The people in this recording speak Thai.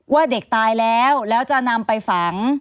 ว่าเด็กตายแล้วแล้วจะนำไปฝัง